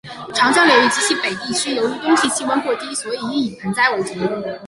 长江流域及其以北地区由于冬季气温过低所以应以盆栽为主。